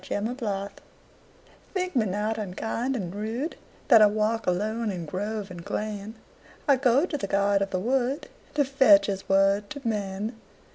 The Apology THINK me not unkind and rudeThat I walk alone in grove and glen;I go to the god of the woodTo fetch his word to men.